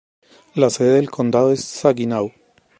La sede del condado es Saginaw.